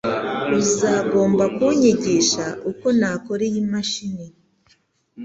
Uzagomba kunyigisha uko nakora iyi mashini